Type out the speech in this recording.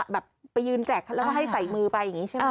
ไปยืนแจกแล้วก็ให้ใส่มือไปอย่างนี้ใช่ไหม